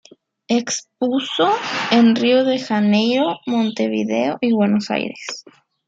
Expuso en Río de Janeiro, Montevideo y Buenos Aires.